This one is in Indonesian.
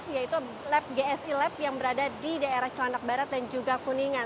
yaitu lab gsi lab yang berada di daerah celanak barat dan juga kuningan